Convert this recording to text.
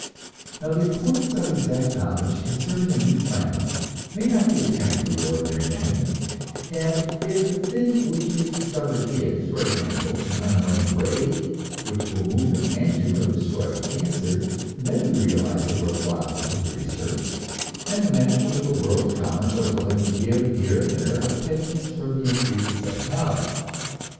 Now, the importance of exact knowledge concerning a new planet may not be apparent to the ordinary man; but if the thing which is discovered is, for example, an unknown ray which will move an engine or destroy a cancer, then we realize the worthwhileness of research, and the masters of the world's commerce are willing to give here and there a pittance for the increase of such knowledge.